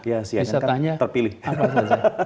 bisa tanya apa saja